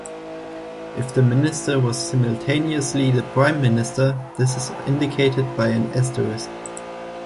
If the Minister was simultaneously the Prime Minister, this is indicated by an asterisk.